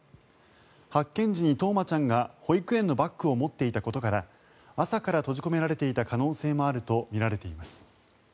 発見時に冬生ちゃんが保育園のバッグを持っていたことから朝から閉じ込められていた可能性もあるとみられています。